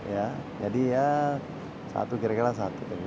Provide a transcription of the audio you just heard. ya jadi ya satu kira kira satu